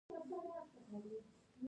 لمریز ځواک د افغانستان د طبیعت برخه ده.